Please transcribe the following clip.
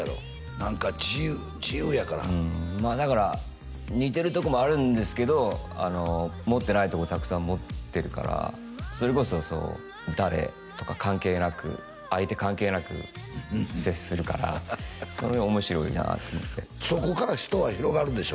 何か自由やからまあだから似てるとこもあるんですけど持ってないとこたくさん持ってるからそれこそ誰とか関係なく相手関係なく接するからそれ面白いなと思ってそこから人は広がるでしょ？